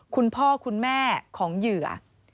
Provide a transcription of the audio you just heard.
คุณพ่อคุณแม่ของเหยื่อ